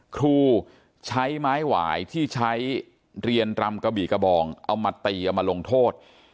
ครูใช้ไม้หวายที่ใช้เรียนรำกระบี่กระบองเอามาตีเอามาลงโทษ